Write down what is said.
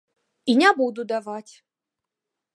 І не буду даваць.